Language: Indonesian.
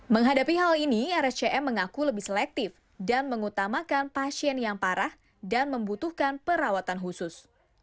menghadapi hal ini rscm mengaku lebih selektif dan mengutamakan pasien yang parah dan membutuhkan perawatan khusus